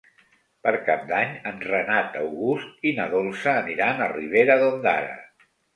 Per Cap d'Any en Renat August i na Dolça aniran a Ribera d'Ondara.